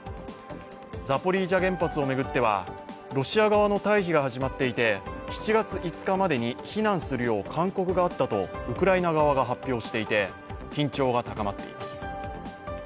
ザポリージャ原発を巡ってはロシア側の退避が始まっていて７月５日までに避難するよう勧告があったとウクライナ側が発表していて、緊張が高まっています。